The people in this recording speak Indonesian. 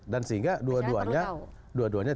dan sehingga dua duanya